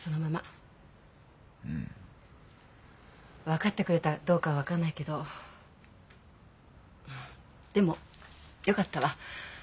分かってくれたかどうかは分からないけどでもよかったわ。